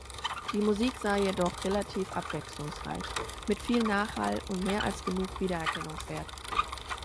Die Musik sei jedoch relativ abwechslungsreich, mit viel Nachhall und mehr als genug Wiedererkennungswert.